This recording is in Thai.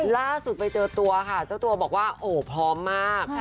ล่าสุดไปเจอตัวค่ะเจ้าตัวบอกว่าโอ้พร้อมมาก